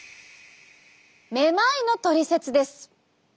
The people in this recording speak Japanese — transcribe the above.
「めまい」のトリセツです！